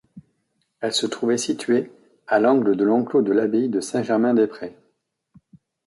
Elle se trouvait située à l’angle de l’enclos de l’abbaye de Saint-Germain-des-Prés.